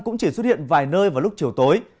cũng chỉ xuất hiện vài nơi vào lúc chiều tối